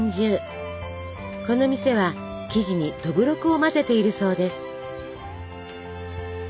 この店は生地にどぶろくを混ぜているそうです。